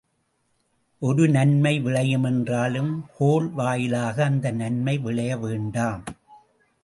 ஒரு நன்மையே விளையுமென்றாலும், கோள் வாயிலாக அந்த நன்மை விளைய வேண்டாம்.